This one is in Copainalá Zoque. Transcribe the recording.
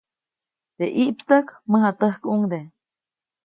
Teʼ ʼiʼpstäjk, mäjatäjkuŋde.